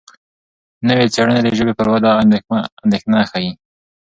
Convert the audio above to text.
نوې څېړنې د ژبې پر وده اندېښنه ښيي.